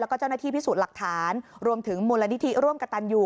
แล้วก็เจ้าหน้าที่พิสูจน์หลักฐานรวมถึงมูลนิธิร่วมกับตันอยู่